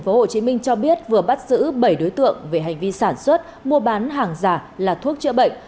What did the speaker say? tp hcm cho biết vừa bắt giữ bảy đối tượng về hành vi sản xuất mua bán hàng giả là thuốc chữa bệnh